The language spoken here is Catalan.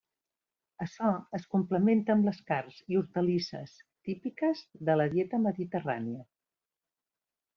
Açò es complementa amb les carns i hortalisses típiques de la dieta mediterrània.